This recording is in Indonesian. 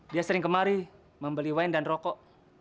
dia sering kemari membeli wain dan rokok